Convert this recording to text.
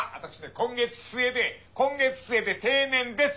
今月末で今月末で定年です。